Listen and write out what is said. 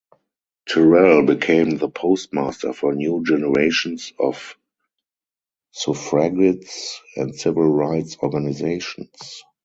Terrell became the postmaster for new generations of suffragists and civil rights organizations.